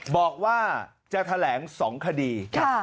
บอกว่าจะแถลง๒คดี